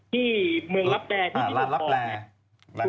ที่เมืองรับแปลที่พี่หนุ่มบอก